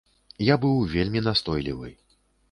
Я быў вельмі настойлівы.